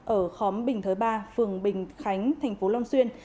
ở khóm bình thới ba phường bình khánh thành phố long xuyên